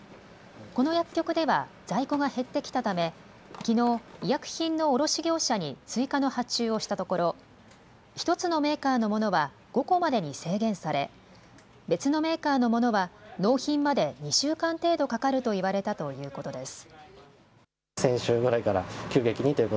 この薬局では、在庫が減ってきたため、きのう、医薬品の卸業者に追加の発注をしたところ、１つのメーカーのものは５個までに制限され、別のメーカーのものは、納品まで２週間程度かかるといわれたということです。